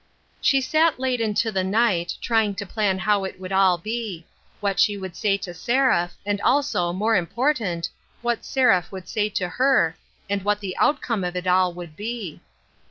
She sat late into the night, trying to plan how it would all be ; what she should say to Seraph, and also, more important, what Seraph would say to her, and what the outcome of it all would be.